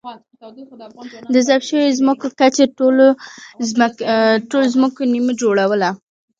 د ضبط شویو ځمکو کچې ټولو ځمکو نییمه جوړوله.